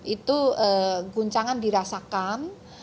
itu guncangan dirasakan